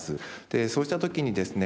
そうした時にですね